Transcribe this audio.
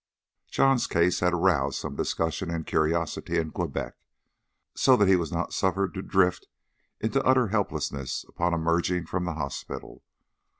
John's case had aroused some discussion and curiosity in Quebec, so that he was not suffered to drift into utter helplessness upon emerging from the hospital.